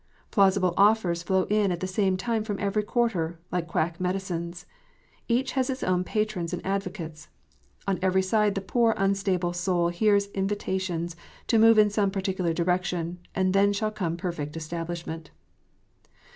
Plausible offers flow in at the same time from every quarter, like quack medicines. Each has its own patrons and advocates. On every side the poor unstable soul hears invitations to move in some particular direction, and then shall come perfect establishment.